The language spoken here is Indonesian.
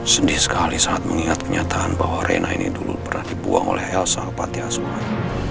sedih sekali saat mengingat kenyataan bahwa rhena ini dulu pernah dibuang oleh elsa patiasuhan